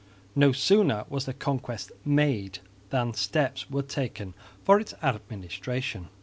No sooner was the conquest made than steps were taken for its administration.